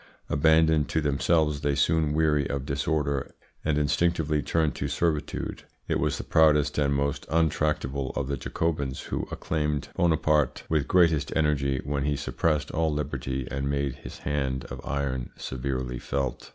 Abandoned to themselves, they soon weary of disorder, and instinctively turn to servitude. It was the proudest and most untractable of the Jacobins who acclaimed Bonaparte with greatest energy when he suppressed all liberty and made his hand of iron severely felt.